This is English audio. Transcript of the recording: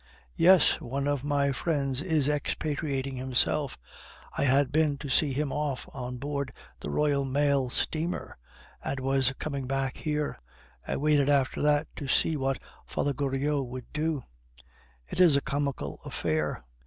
"Yes. One of my friends is expatriating himself; I had been to see him off on board the Royal Mail steamer, and was coming back here. I waited after that to see what Father Goriot would do; it is a comical affair.